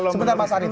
sebentar mas arief